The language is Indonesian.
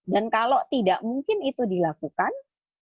dan kalau tidak mungkin itu dilakukan